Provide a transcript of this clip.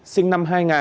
sinh năm hai nghìn